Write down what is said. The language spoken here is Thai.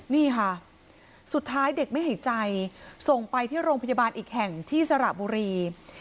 นี่ค่ะสุดท้ายเด็กไม่หายใจส่งไปที่โรงพยาบาลอีกแห่งที่สระบุรี